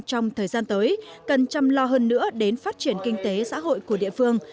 trong thời gian tới cần chăm lo hơn nữa đến phát triển kinh tế xã hội của địa phương